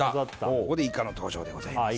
ここでイカの登場でございます